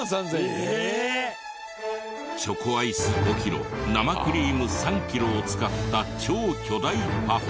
チョコアイス５キロ生クリーム３キロを使った超巨大パフェ。